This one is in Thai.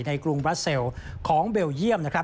กรุงบราเซลของเบลเยี่ยมนะครับ